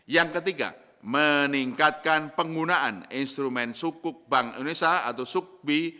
yang ketiga meningkatkan penggunaan instrumen sukuk bank indonesia atau sukbi